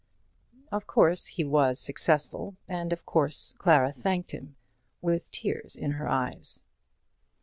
Of course he was successful, and of course Clara thanked him with tears in her eyes.